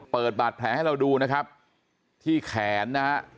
เปิดบาดแผลให้เราดูนะครับที่แขนนะฮะ